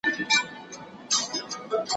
زه به وکړم په مخلوق داسي کارونه